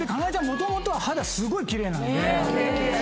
もともと肌すごい奇麗なんで。